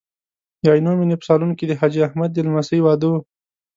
د عینومېنې په سالون کې د حاجي احمد د لمسۍ واده و.